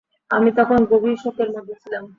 আমি তখন গভীর শোকের মধ্যে ছিলাম।